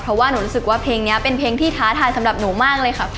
เพราะว่าหนูรู้สึกว่าเพลงนี้เป็นเพลงที่ท้าทายสำหรับหนูมากเลยค่ะ